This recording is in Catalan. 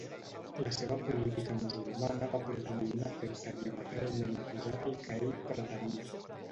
La seva política musulmana va produir un efecte diametralment oposat al que ell pretenia.